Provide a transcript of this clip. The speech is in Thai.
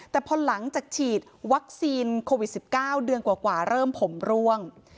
แต่พอหลังจากฉีดวัคซีนโควิด๑๙เดือนกว่าเริ่มผมร่วง